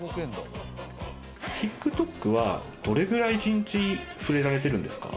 ＴｉｋＴｏｋはどれぐらい一日触れられてるんですか？